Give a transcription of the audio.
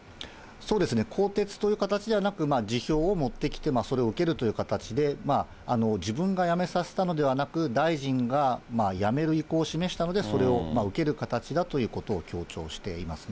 そうですね、更迭という形ではなく、辞表を持ってきて、それを受けるという形で、自分が辞めさせたのではなく、大臣が辞める意向を示したのでそれを受ける形だということを強調していますね。